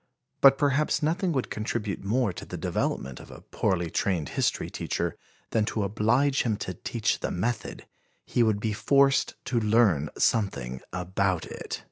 But perhaps nothing would contribute more to the development of a poorly trained history teacher than to oblige him to teach the method; he would be forced to learn something about it!